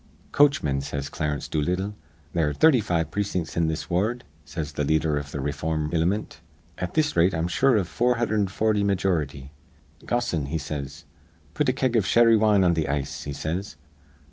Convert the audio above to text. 'Coachmen,' says Clarence Doolittle. 'There are thirty five precin'ts in this ward,' says th' leader iv th' rayform ilimint. 'At this rate, I'm sure iv 440 meejority. Gossoon,' he says, 'put a keg iv sherry wine on th' ice,' he says.